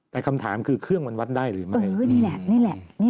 แต่คำถามคือเครื่องมันวัดได้หรือไม่